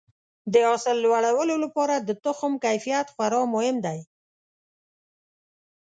د حاصل لوړولو لپاره د تخم کیفیت خورا مهم دی.